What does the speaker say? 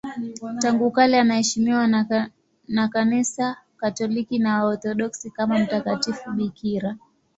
Tangu kale anaheshimiwa na Kanisa Katoliki na Waorthodoksi kama mtakatifu bikira.